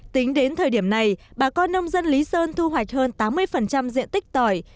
tính đến thời điểm này bà con nông dân lý sơn thu hoạch hơn tám mươi diện tích tỏi